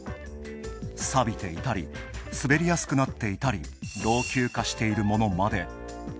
さびていたり、滑りやすくなっていたり老朽化しているものまで。